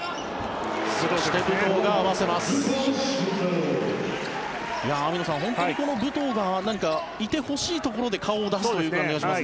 そして武藤が合わせます。